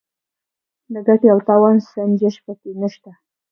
د ګټې او تاوان سنجش پکې نشته.